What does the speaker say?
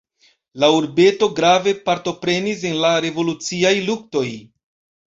La urbeto grave partoprenis en la revoluciaj luktoj.